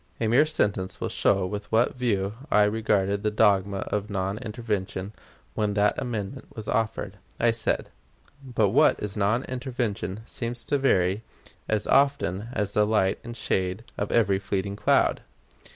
A mere sentence will show with what view I regarded the dogma of non intervention when that amendment was offered. I said: "But what is non intervention seems to vary as often as the light and shade of every fleeting cloud.